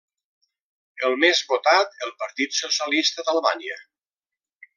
El més votat el Partit Socialista d'Albània.